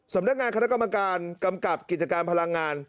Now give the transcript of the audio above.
สำนักงานคณะกรรมการกำกับกิจการพลังงาน